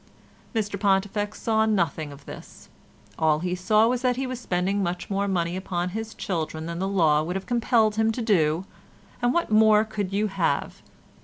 Mr Pontifex saw nothing of this; all he saw was that he was spending much more money upon his children than the law would have compelled him to do, and what more could you have?